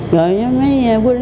rồi mấy quý vị